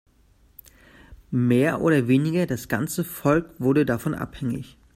Mehr oder weniger das ganze Volk wurde davon abhängig.